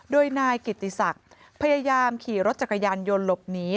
โดยนายกิติศักดิ์พยายามขี่รถจักรยานยนต์หลบหนี